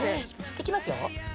いきますよ？